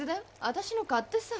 私の勝手さ。